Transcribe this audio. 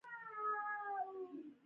چې ولې یې تعلیم راباندې کړی نه دی.